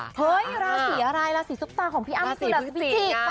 ราสีอะไรราสีซุปสตาร์ของพี่อ้ำสุดัตรฯฟิจิกไง